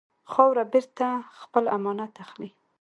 خاوره بېرته خپل امانت اخلي.